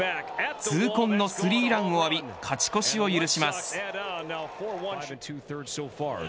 痛恨のスリーランを浴び勝ち越しを許します。